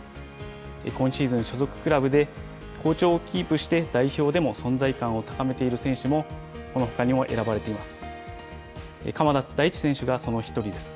今シーズン、所属クラブで好調をキープして代表でも存在感を高めている選手もこのほかにも選ばれています。